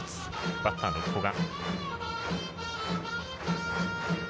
バッターの古賀。